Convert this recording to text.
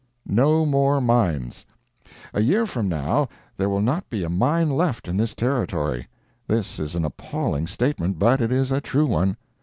NO MORE MINES A year from now, there will not be a mine left in this Territory. This is an appalling statement, but it is a true one.